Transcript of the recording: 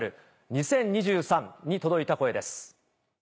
２０２３』に届いた声です。